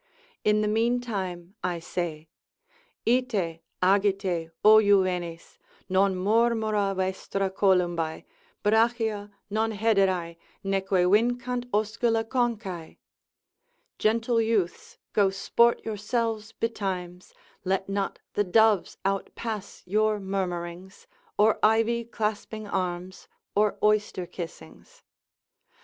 In the meantime I say, Ite, agite, O juvenes, non murmura vestra columbae, Brachia, non hederae, neque vincant oscula conchae. Gentle youths, go sport yourselves betimes, Let not the doves outpass your murmurings, Or ivy clasping arms, or oyster kissings.